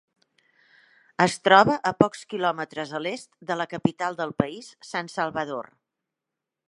Es troba a pocs quilòmetres a l'est de la capital del país, San Salvador.